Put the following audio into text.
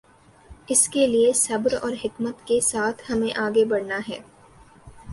اس کے لیے صبر اور حکمت کے ساتھ ہمیں آگے بڑھنا ہے۔